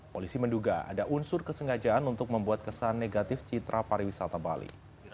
polisi menduga ada unsur kesengajaan untuk membuat kesan negatif citra pariwisata bali